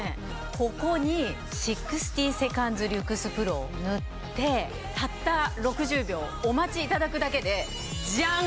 ここに６０セカンズリュクスプロを塗ってたった６０秒お待ちいただくだけでじゃん！